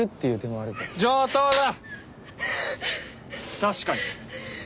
確かに。